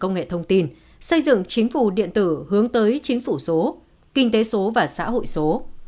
công nghệ thông tin xây dựng chính phủ điện tử hướng tới chính phủ số kinh tế số và xã hội số